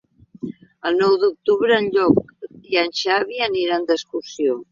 El nou d'octubre en Lluc i en Xavi aniran d'excursió.